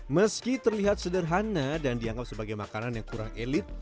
meski terlihat sederhana dan dianggap sebagai makanan yang kurang elit